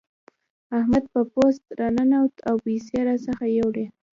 احمد په پوست راننوت او پيسې راڅخه يوړې.